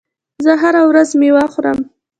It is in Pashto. زه هره ورځ میوه خورم.